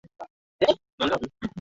Leo nashinda mjini